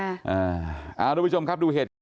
เออเอาลูกผู้ชมครับดูเหตุ